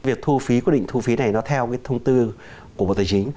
việc thu phí quyết định thu phí này nó theo thông tư của bộ tài chính